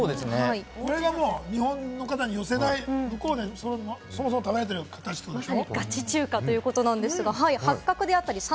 これが日本の方に寄せない、向こうでそもそも食べられてるやつでしょ？